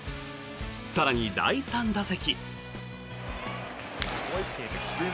更に第３打席。